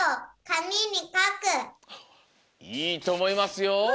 いいとおもいますよ！